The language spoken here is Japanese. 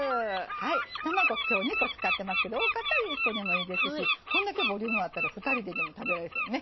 卵今日２個使ってますけど多かったら１個でもいいですしこんだけボリュームあったら２人ででも食べられそうね。